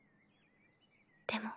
でも。